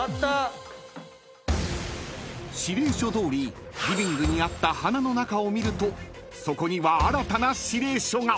［指令書どおりリビングにあった花の中を見るとそこには新たな指令書が］